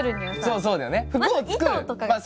そうそうだよね。